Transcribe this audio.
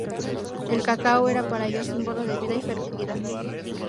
El cacao era para ellos símbolo de vida y fertilidad.